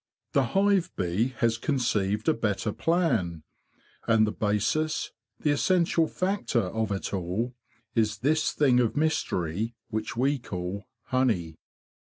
The hive bee has conceived a better plan, and the basis, the essential factor of it all, is this thing of mystery which we call honey.